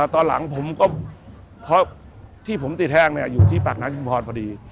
ตอนหลังผมก็เพราะที่ผมตีแทงอยู่ที่ปากน้ำชุมพรพอดี